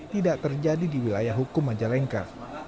tidak terjadi di wilayah hukum majalengka